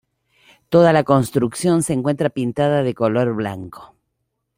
Toda la construcción se encuentra pintada de color blanco.